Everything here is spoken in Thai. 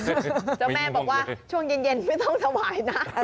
เจ้าแม่บอกว่าช่วงเย็นไม่ต้องถวายนะ